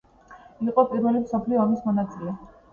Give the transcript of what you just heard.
იყო პირველი მსოფლიო ომის მონაწილე.